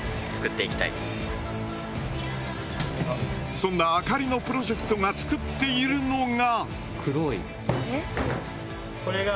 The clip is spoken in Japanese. そんなあかりのプロジェクトが作っているのが。